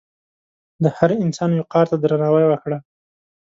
د هر انسان وقار ته درناوی وکړه.